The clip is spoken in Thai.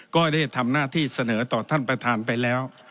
ก็ได้ทำหน้าที่เสนอต่อท่านประธานไปแล้ว